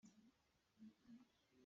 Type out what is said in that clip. Mizo kha ral an rak tho.